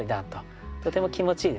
とても気持ちいいですよね。